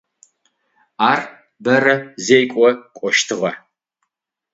Ар бэрэ зекӏо кӏощтыгъэ.